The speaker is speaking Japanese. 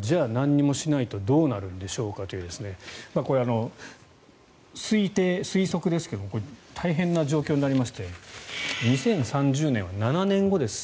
じゃあ、何もしないとどうなるんでしょうかというこれ、推測ですが大変な状況になりまして２０３０年は７年後です。